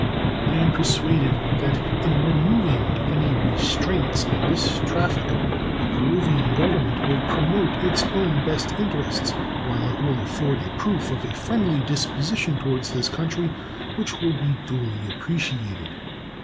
I am persuaded that in removing any restraints on this traffic the Peruvian Government will promote its own best interests, while it will afford a proof of a friendly disposition toward this country, which will be duly appreciated.